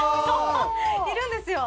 いるんですよ。